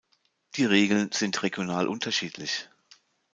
Die Regeln sind regional unterschiedlich.